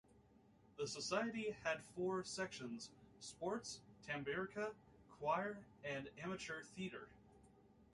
The society initially had four sections: Sports, Tamburica, Choir and Amateur theatre.